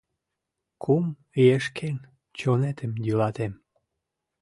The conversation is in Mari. Кум иешкен чонетым йӱлатем.